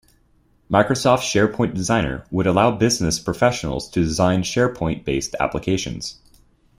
Microsoft SharePoint Designer would allow business professionals to design SharePoint-based applications.